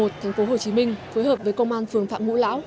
thành phố hồ chí minh phối hợp với công an phường phạm ngũ lão